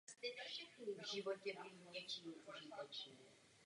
Pro syna Nicholase Hughes napsal známou knihu "Železný muž".